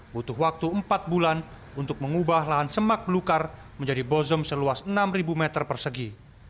butuh waktu empat bulan untuk mengubah lahan semak belukar menjadi bozem seluas enam meter persegi